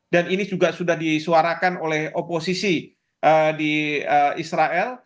dan ini juga sudah disuarakan oleh oposisi di israel